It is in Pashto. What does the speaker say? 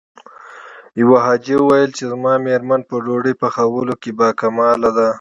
يوه حاجي ويل چې زما مېرمن په ډوډۍ پخولو کې باکماله ده.